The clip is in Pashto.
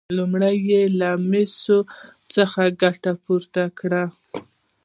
لومړی یې له مسو څخه ګټه پورته کړه.